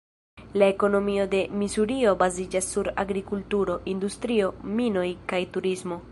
La ekonomio de Misurio baziĝas sur agrikulturo, industrio, minoj kaj turismo.